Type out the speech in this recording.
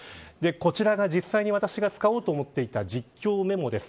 こちらが実際に私が使おうと思っていた実況メモです。